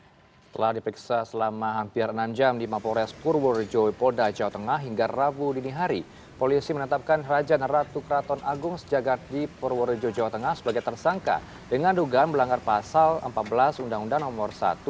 setelah dipiksa selama hampir enam jam di mapores purworejo polda jawa tengah hingga rabu dinihari polisi menetapkan raja dan ratu keraton agung sejagat di purworejo jawa tengah sebagai tersangka dengan dugaan melanggar pasal empat belas undang undang no satu seribu sembilan ratus empat puluh enam